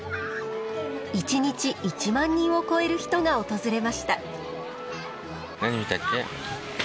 １日１万人を超える人が訪れました。